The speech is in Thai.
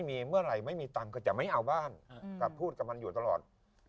มีเมื่อไหร่ไม่มีตังค์ก็จะไม่เอาบ้านแต่พูดกับมันอยู่ตลอด